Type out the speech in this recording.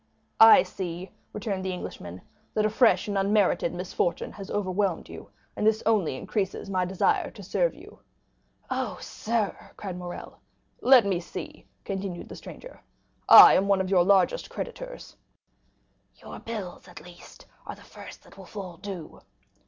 "I see," returned the Englishman, "that a fresh and unmerited misfortune has overwhelmed you, and this only increases my desire to serve you." "Oh, sir!" cried Morrel. "Let me see," continued the stranger, "I am one of your largest creditors." "Your bills, at least, are the first that will fall due."